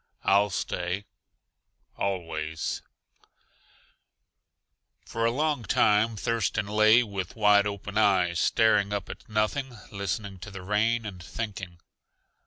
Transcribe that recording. "I'll STAY ALWAYS" For a long time Thurston lay with wide open eyes staring up at nothing, listening to the rain and thinking.